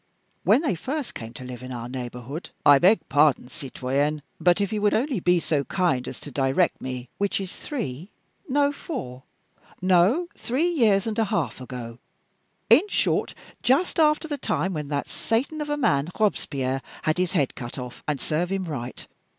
When they first came to live in our neighborhood " "I beg pardon, citoyenne, but if you would only be so kind as to direct me " "Which is three no, four no, three years and a half ago in short, just after the time when that Satan of a man, Robespierre, had his head cut off (and serve him right!)